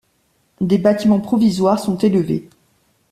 Des bâtiments provisoires sont élevés.